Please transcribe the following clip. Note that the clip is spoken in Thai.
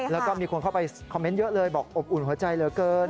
แล้วก็มีคนเข้าไปคอมเมนต์เยอะเลยบอกอบอุ่นหัวใจเหลือเกิน